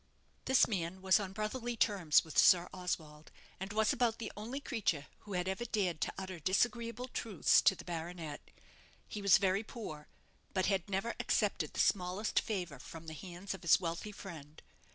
This man was on brotherly terms with Sir Oswald, and was about the only creature who had ever dared to utter disagreeable truths to the baronet. He was very poor; but had never accepted the smallest favour from the hands of his wealthy friend.